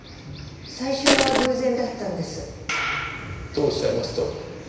最初は偶然だったんです。とおっしゃいますと？